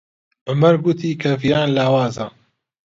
عومەر گوتی کە ڤیان لاوازە.